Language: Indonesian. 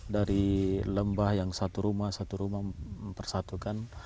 dari lembah yang satu rumah satu rumah mempersatukan